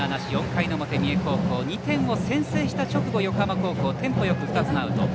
４回表、三重高校２点を先制した直後、横浜高校テンポよく２つのアウト。